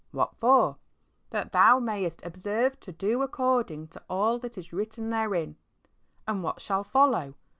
What for? "That thou mayest observe to do according to all that is written therein." And what shall follow?